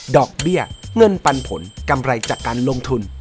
อกเบี้ยเงินปันผลกำไรจากการลงทุน